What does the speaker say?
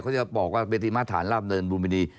เขาจะบอกว่าเวทีมาตรฐานราชดำเนินลุมพินี